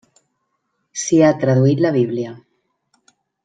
S'hi ha traduït la Bíblia.